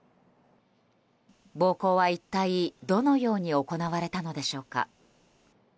暴行は一体どのように行われたのでしょうか。